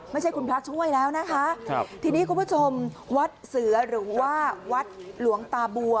ไม่ใช่คุณพระช่วยแล้วนะคะครับทีนี้คุณผู้ชมวัดเสือหรือว่าวัดหลวงตาบัว